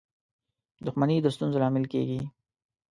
• دښمني د ستونزو لامل کېږي.